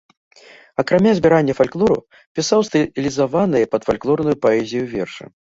Акрамя збірання фальклору пісаў стылізаваныя пад фальклорную паэзію вершы.